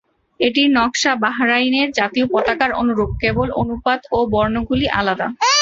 এটির নকশা বাহরাইনের জাতীয় পতাকার অনুরূপ, কেবল অনুপাত ও বর্ণগুলি আলাদা।